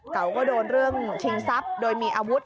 เขาก็โดนเรื่องชิงทรัพย์โดยมีอาวุธ